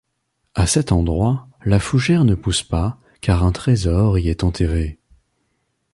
À cet endroit la fougère ne pousse pas car un trésor y est enterré.